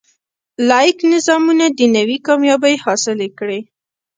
لاییک نظامونه دنیوي کامیابۍ حاصلې کړي.